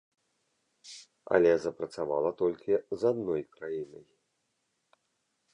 Але запрацавала толькі з адной краінай.